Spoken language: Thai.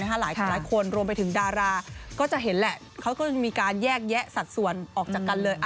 หลายคนรวมไปถึงดาราก็จะเห็นแหละเขาก็จะมีการแยกแยะสัดส่วนออกจากกันเลย